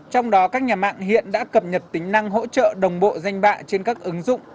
trong đó các nhà mạng hiện đã cập nhật tính năng hỗ trợ đồng bộ danh bạ trên các ứng dụng